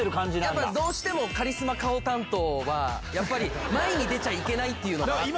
やっぱりどうしてもカリスマ顔担当は、やっぱり前に出ちゃいけないっていうのがあって。